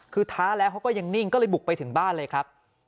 คือท้าแล้วเขาก็ยังนิ่งก็เลยบุกไปถึงบ้านเลยครับ